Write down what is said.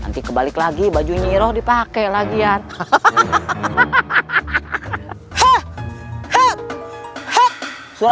nanti kebalik lagi bajunya roh dipakai lagian hahaha hahaha